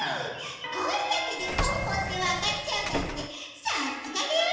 こえだけでポッポってわかっちゃうなんてさすがレオレオえきのおとうさん！